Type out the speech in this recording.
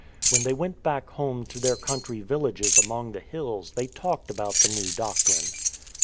When they went back home to their country villages among the hills they talked about the new doctrine.